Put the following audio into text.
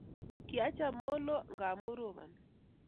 kiacham molo ngamu ropani